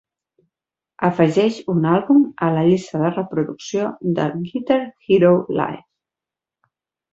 Afegeix un àlbum a la llista de reproducció del Guitar Hero Live.